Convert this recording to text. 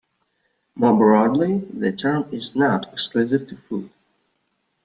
More broadly, the term is not exclusive to food.